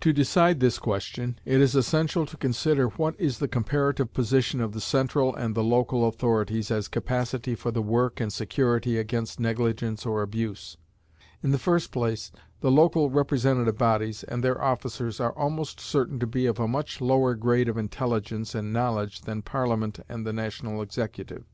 To decide this question, it is essential to consider what is the comparative position of the central and the local authorities as capacity for the work, and security against negligence or abuse. In the first place, the local representative bodies and their officers are almost certain to be of a much lower grade of intelligence and knowledge than Parliament and the national executive.